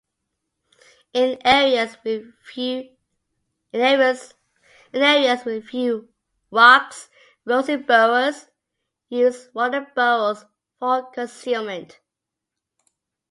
In areas with few rocks, rosy boas use rodent burrows for concealment.